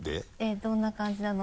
どんな感じなの？